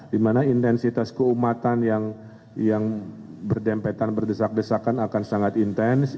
dimana intensitas keumatan yang berdempetan berdesak desakan akan sangat intens